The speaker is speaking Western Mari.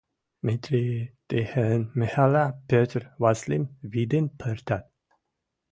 Митри, Тихӹн, Михӓлӓ, Петр Васлим виден пыртат.